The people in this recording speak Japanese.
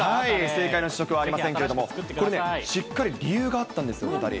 正解の試食はありませんけど、これね、しっかり理由があったんです。